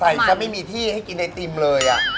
ใส่ก็ไม่มีที่ให้กินไอติมเลยอ่ะ